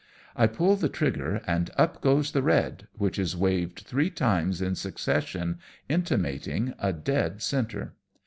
I pull the trigger and up goes the red, which is waved three times in succession, intimating a dead centre.